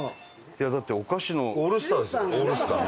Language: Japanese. だってお菓子のオールスターオールスター。